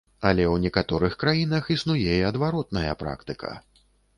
Але ў некаторых краінах існуе і адваротная практыка.